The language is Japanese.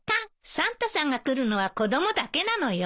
サンタさんが来るのは子供だけなのよ。